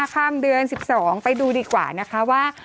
ข้ามเดือน๑๒ไปดูดีกว่านะคะว่า